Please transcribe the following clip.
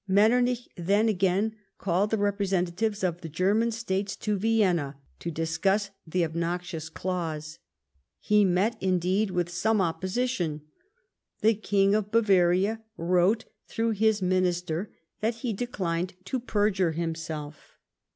Metternich, then, again called the representatives of the German States to Vienna to discuss the obnoxious clause. He met, indeed, with some opposi tion. The King of Bavaria wrote through his minister that he declined to perjure himself.